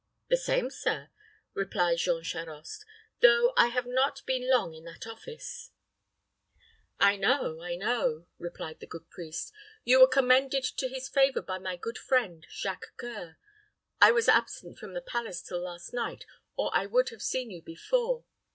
"The same, sir," replied Jean Charost; "though I have not been long in that office." "I know, I know," replied the good priest. "You were commended to his favor by my good friend Jacques C[oe]ur. I was absent from the palace till last night, or I would have seen you before.